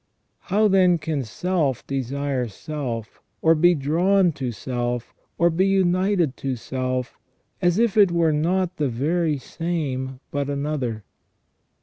How, then, can self desire self, or be drawn to self, or be united to self, as if it were not the very same, but another